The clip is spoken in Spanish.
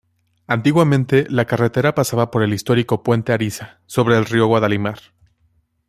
Antiguamente la carretera pasaba por el histórico Puente Ariza sobre el río Guadalimar.